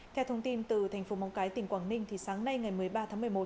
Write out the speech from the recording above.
theo thông tin từ thành phố móng cái tỉnh quảng ninh thì sáng nay ngày một mươi ba tháng một mươi một